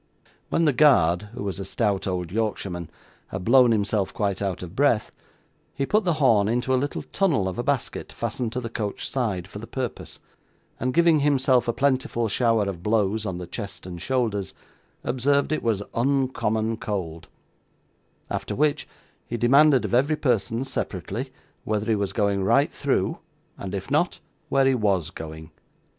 When the guard (who was a stout old Yorkshireman) had blown himself quite out of breath, he put the horn into a little tunnel of a basket fastened to the coach side for the purpose, and giving himself a plentiful shower of blows on the chest and shoulders, observed it was uncommon cold; after which, he demanded of every person separately whether he was going right through, and if not, where he WAS going.